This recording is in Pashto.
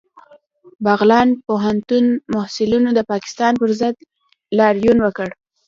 بغلان پوهنتون محصلینو د پاکستان پر ضد لاریون وکړ